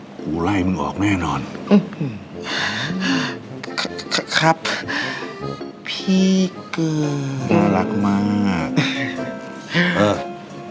กูไล่มึงออกแน่นอนอืมคคครับพี่เกิดน่ารักมาก